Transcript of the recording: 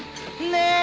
ねえ？